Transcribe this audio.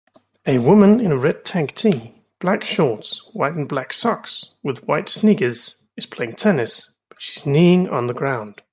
A woman in a red tank tee black shorts white and black socks with white sneakers is playing tennis but she is kneeing on the ground